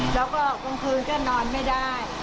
แล้วก็กลางคืนก็นอนไม่ได้